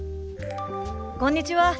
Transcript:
こんにちは。